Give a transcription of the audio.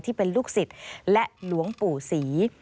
ที่เป็นลูกศิษย์และหลวงปู่ศรี